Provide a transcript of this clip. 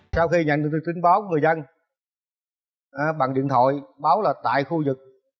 sau khi nhận được tin báo của người dân bằng điện thoại báo là tại khu vực